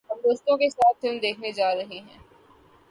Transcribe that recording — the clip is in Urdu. ہم دوستوں کے ساتھ فلم دیکھنے جا رہے ہیں